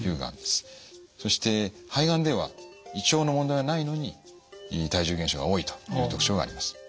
そして肺がんでは胃腸の問題はないのに体重減少が多いという特徴があります。